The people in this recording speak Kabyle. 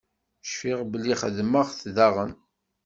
Cfiɣ belli xedmeɣ-t daɣen.